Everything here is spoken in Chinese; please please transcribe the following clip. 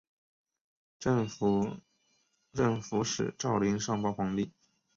镇抚使赵霖上报皇帝。